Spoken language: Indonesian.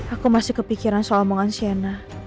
aku masih kepikiran soal omongan shena